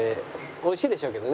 美味しいでしょうけどね。